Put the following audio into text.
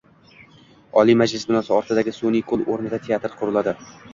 Oliy Majlis binosi ortidagi sun’iy ko‘l o‘rnida teatr quriladi